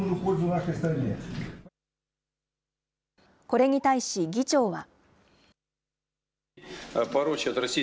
これに対し、議長は。